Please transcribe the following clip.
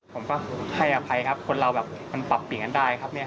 ผมก็ให้อภัยครับคนเรามันปรับปิงกันได้ครับ